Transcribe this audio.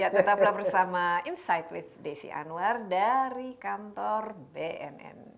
ya tetaplah bersama insight with desi anwar dari kantor bnn